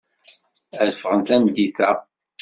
Ad ffɣen tameddit-a.